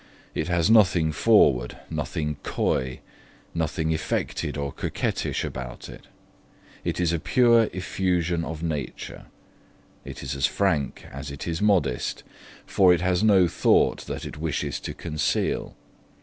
It has nothing forward, nothing coy, nothing affected or coquettish about it; it is a pure effusion of nature. It is as frank as it is modest, for it has no thought that it wishes to conceal.